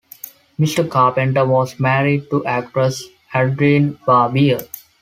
Mr. Carpenter was married to actress Adrienne Barbeau.